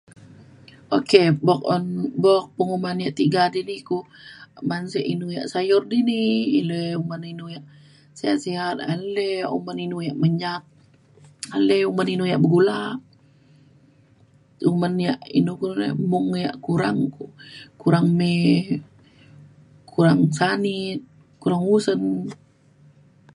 Ok buk un buk penguman yak tiga di di ku ban sek inu yak sayur di ni elei uman inu yak sihat sihat ale uman inu yak menyak ale uman inu yak begula uman yak inu ku lu re mung yak kurang kurang mae kurang sanit kurang usen.